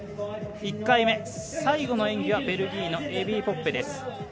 １回目、最後の演技はベルギーのエビー・ポッペです。